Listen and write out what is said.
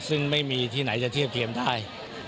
ซึ่งไม่มีที่ไหนจะเทียบเทียมได้